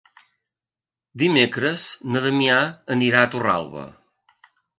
Dimecres na Damià anirà a Torralba.